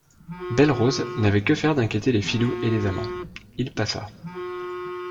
Belle-Rose n'avait que faire d'inquiéter les filous et les amants : il passa.